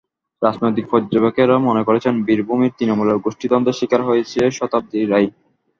রাজনৈতিক পর্যবেক্ষকেরা মনে করছেন, বীরভূমের তৃণমূলের গোষ্ঠী দ্বন্দ্বের শিকার হয়েছেন শতাব্দী রায়।